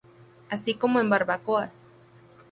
Así como en barbacoas.